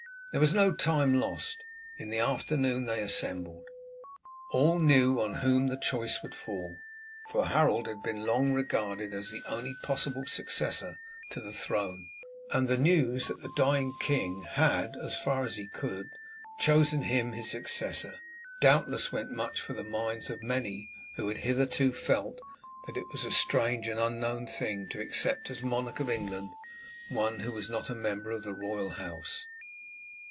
There was no time lost. In the afternoon they assembled. All knew on whom the choice would fall, for Harold had been for long regarded as the only possible successor to the throne, and the news that the dying king had, as far as he could, chosen him as his successor, doubtless went for much in the minds of many who had hitherto felt that it was a strange and unknown thing to accept as monarch of England one who was not a member of the royal house.